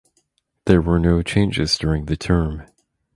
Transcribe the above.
There were no changes during the term.